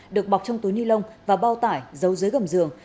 được bọc trong túi ni lông và bao tải giấu dưới gầm giường